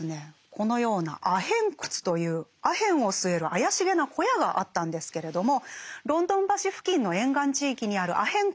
このようなアヘン窟というアヘンを吸える怪しげな小屋があったんですけれどもロンドン橋付近の沿岸地域にあるアヘン